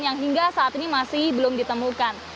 yang hingga saat ini masih belum ditemukan